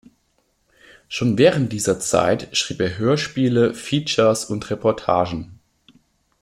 Schon während dieser Zeit schrieb er Hörspiele, Features und Reportagen.